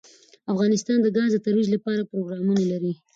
افغانستان د ګاز د ترویج لپاره پروګرامونه لري.